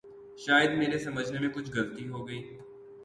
شاید میرے سمجھنے میں کچھ غلطی ہو گئی۔